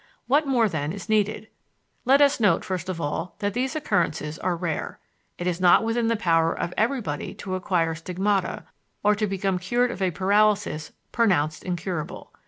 What more then is needed? Let us note first of all that these occurrences are rare. It is not within the power of everybody to acquire stigmata or to become cured of a paralysis pronounced incurable.